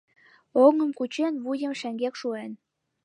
Оҥым кучен, вуйым шеҥгек шуен.